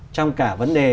trong cả vấn đề